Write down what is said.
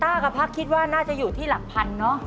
กับพักคิดว่าน่าจะอยู่ที่หลักพันเนอะ